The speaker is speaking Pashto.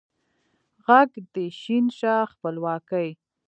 ږغ د ې شین شه خپلواکۍ